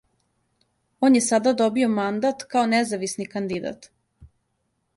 Он је сада добио мандат као независни кандидат.